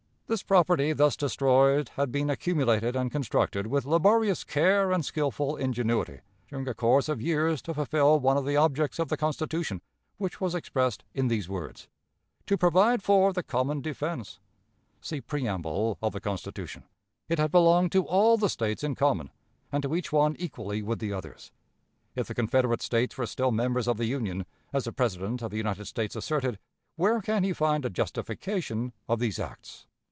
This property thus destroyed had been accumulated and constructed with laborious care and skillful ingenuity during a course of years to fulfill one of the objects of the Constitution, which was expressed in these words, "To provide for the common defense" (see Preamble of the Constitution). It had belonged to all the States in common, and to each one equally with the others. If the Confederate States were still members of the Union, as the President of the United States asserted, where can he find a justification of these acts?